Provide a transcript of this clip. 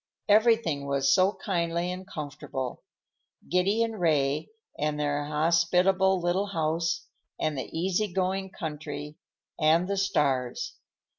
Everything was so kindly and comfortable; Giddy and Ray, and their hospitable little house, and the easy going country, and the stars.